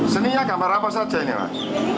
seni ya gambar apa saja ini pak